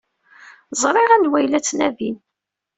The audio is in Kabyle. Ẓriɣ anwa ay la ttnadin.